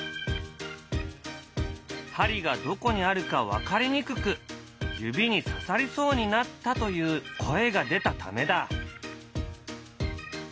針がどこにあるか分かりにくく指にささりそうになったという声が出たためだ。